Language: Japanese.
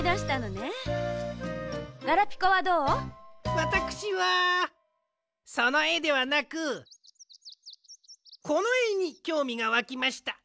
わたくしはそのえではなくこのえにきょうみがわきました。